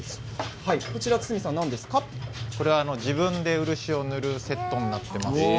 これは自分で漆を塗るセットになっています。